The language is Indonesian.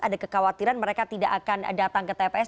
ada kekhawatiran mereka tidak akan datang ke tps